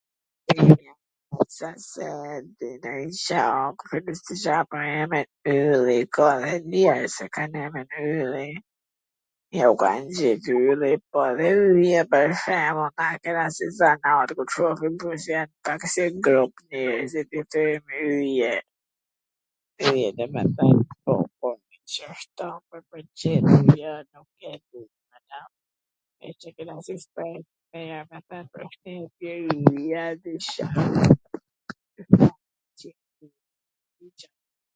...Pwr emrin yllli, ka dhe njerz qw kan emrin Ylli, jau kan ngjit Ylli, por yje pwr shembull na e kena si zanat kur shohim ndonj gja pak si grup njerzit i themi yje, yje domethwn ... e kena si shprehje ...